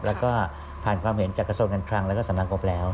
แล้วก็ผ่านความเห็นจากกระทรวงการคลังแล้วก็สำนักงบแล้ว